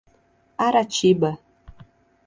Aratiba